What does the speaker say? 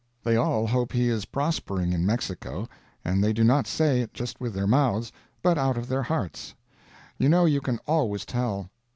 They all hope he is prospering in Mexico, and they do not say it just with their mouths, but out of their hearts. You know you can always tell.